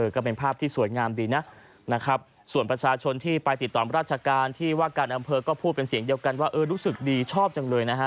ก็เป็นภาพที่สวยงามดีนะนะครับส่วนประชาชนที่ไปติดต่อราชการที่ว่าการอำเภอก็พูดเป็นเสียงเดียวกันว่าเออรู้สึกดีชอบจังเลยนะฮะ